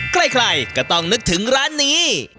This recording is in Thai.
ใครก็ต้องนึกถึงร้านนี้